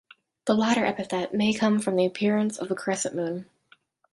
The latter epithet may come from the appearance of the crescent moon.